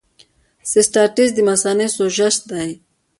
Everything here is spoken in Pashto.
د سیسټایټس د مثانې سوزش دی.